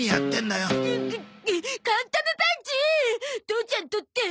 父ちゃん取って。